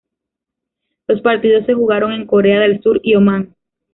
Los partidos se jugaron en Corea del Sur y Omán.